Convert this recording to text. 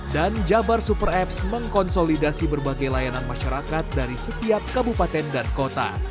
dan jabar super apps mengkonsolidasi berbagai layanan masyarakat dari setiap kabupaten dan kota